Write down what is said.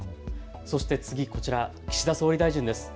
そして次、こちら岸田総理大臣です。